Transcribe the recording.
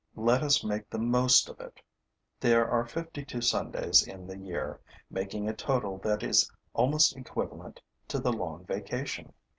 Let us make the most of it. There are fifty two Sundays in the year, making a total that is almost equivalent to the long vacation.